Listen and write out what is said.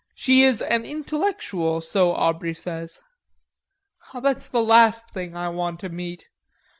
She is an intellectual, so Aubrey says." "That's the last thing I want to meet."